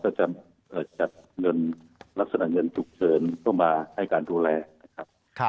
ก็จะจัดลักษณะเงินถูกเชิญเข้ามาให้การดูแลนะครับ